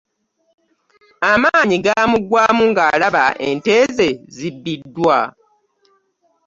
Amaanyi gaamuggwaamu ng'alaba ente ze zibbiddwa.